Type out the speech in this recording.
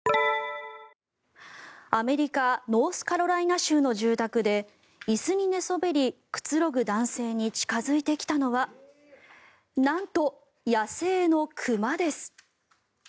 アメリカ・ノースカロライナ州の住宅で椅子に寝そべり、くつろぐ男性に近付いてきたのはなんと、野生の熊です。